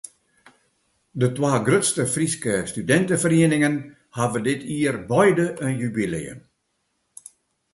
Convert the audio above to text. De twa grutste Fryske studinteferieningen hawwe dit jier beide in jubileum.